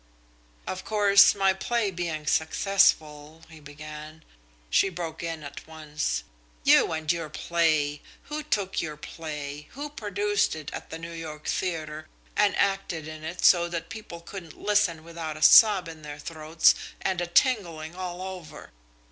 "Of course, my play being successful," he began She broke in at once. "You and your play! Who took your play? Who produced it at the New York Theatre and acted in it so that people couldn't listen without a sob in their throats and a tingling all over?